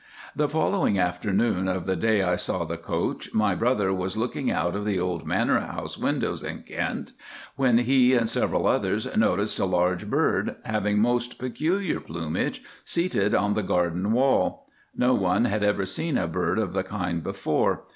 "The following afternoon of the day I saw the coach, my brother was looking out of the old manor house windows in Kent, when he and several others noticed a large bird, having most peculiar plumage, seated on the garden wall. No one had ever seen a bird of the kind before.